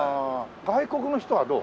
外国の人はどう？